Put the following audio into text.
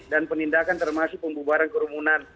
dan penindakan termasuk pembubaran kerumunan